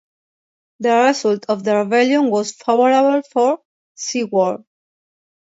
The result of the rebellion was favourable for Siward.